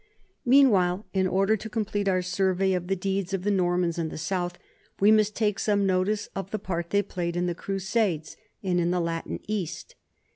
Meanwhile, in order to complete our survey of the deeds of the Normans in the south, we must take some notice of the part they played in the Crusades and in the Latin East.